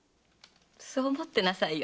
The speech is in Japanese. そう思ってなさいよ。